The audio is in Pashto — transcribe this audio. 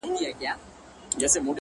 هره لاسته راوړنه وخت غواړي